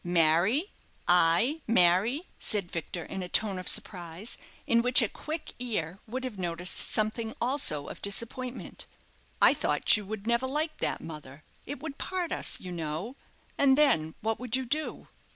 "Marry I marry?" said Victor, in a tone of surprise, in which a quick ear would have noticed something also of disappointment. "I thought you would never like that, mother. It would part us, you know, and then what would you do?"